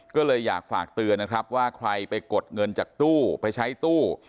ก็เลยอยากฝากเตือนนะครับว่าใครไปกดเงินจากตู้ไปใช้ตู้